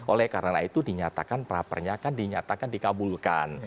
oleh karena itu dinyatakan prapernya kan dinyatakan dikabulkan